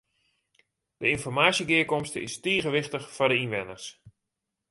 De ynformaasjegearkomste is tige wichtich foar de ynwenners.